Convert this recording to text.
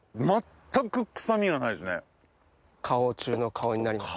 顔中の顔になりますね。